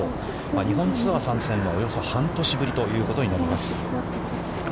日本ツアー参戦は、およそ半年ぶりということになります。